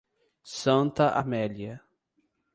Santa Amélia